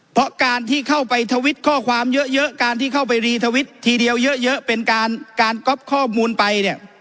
เพราะการที่เข้าไปทวิตข้อความเยอะการที่เข้าไปรีทวิตทีเดียวเยอะเป็นการการก๊อปข้อมูลไปเนี่ย